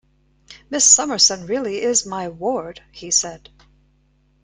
"Miss Summerson really is my ward," he said.